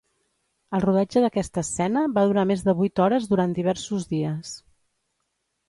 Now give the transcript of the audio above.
El rodatge d'aquesta escena va durar més de vuit hores durant diversos dies.